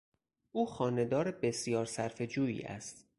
او خانه دار بسیار صرفه جویی است.